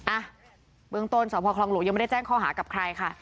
อ่ะเบื้องต้นสพคลองหลวงยังไม่ได้แจ้งข้อหากับใครค่ะ